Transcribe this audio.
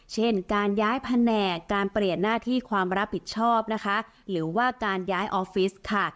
เช่นการย้ายแผนกการเปลี่ยนหน้าที่ความรับผิดชอบนะคะหรือว่าการย้ายออฟฟิศค่ะ